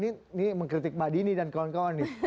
ini mengkritik mbak dini dan kawan kawan nih